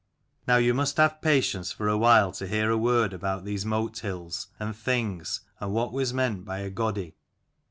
Now you must have patience for a while to hear a word about these Motehills, and Things, and what was meant by a Godi.